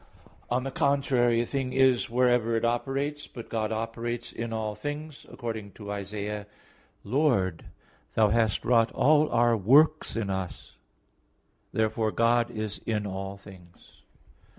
On the contrary, A thing is wherever it operates. But God operates in all things, according to Isa. 26:12, "Lord ... Thou hast wrought all our works in [Vulg.: 'for'] us." Therefore God is in all things.